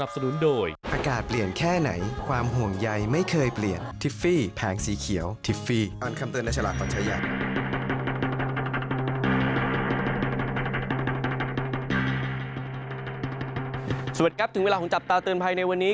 สวัสดีครับถึงเวลาของจับตาเตือนภัยในวันนี้